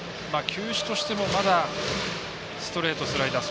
球種としてもまだストレート、スライダー。